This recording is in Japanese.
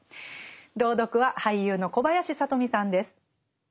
朗読は俳優の小林聡美さんです。